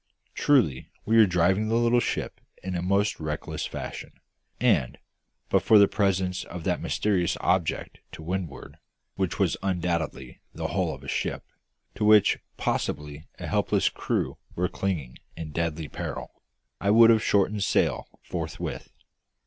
Truly we were driving the little ship in a most reckless fashion; and, but for the presence of that mysterious object to windward which was undoubtedly the hull of a ship, to which possibly a helpless crew were clinging in deadly peril I would have shortened sail forthwith.